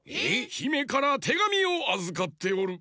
ひめからてがみをあずかっておる。